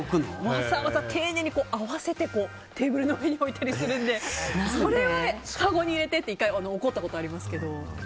わざわざ丁寧に合わせてテーブルの上に置いたりするのでそれはかごに入れてって１回、怒ったことありますけど。